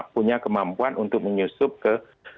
punya kemampuan untuk menyusup ke